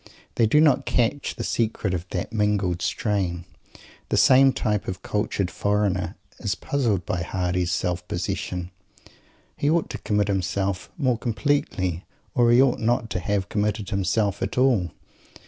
They do not catch the secret of that mingled strain. The same type of cultured "foreigner" is puzzled by Mr. Hardy's self possession. He ought to commit himself more completely, or he ought not to have committed himself at all!